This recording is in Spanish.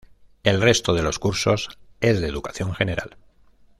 El resto de los cursos es de educación general.